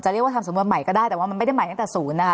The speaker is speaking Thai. เรียกว่าทำสำนวนใหม่ก็ได้แต่ว่ามันไม่ได้ใหม่ตั้งแต่ศูนย์นะคะ